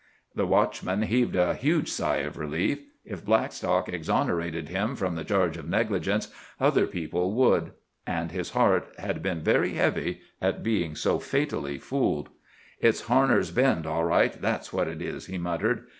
The watchman heaved a huge sigh of relief. If Blackstock exonerated him from the charge of negligence, other people would. And his heart had been very heavy at being so fatally fooled. "It's Harner's Bend all right, that's what it is!" he muttered.